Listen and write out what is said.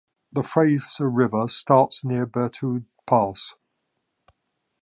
The Fraser River starts near Berthoud Pass.